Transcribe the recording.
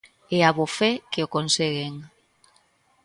E abofé que o conseguen.